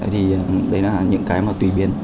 thì đấy là những cái mà tùy biến